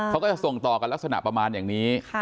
เขาก็จะส่งต่อกันลักษณะประมาณอย่างนี้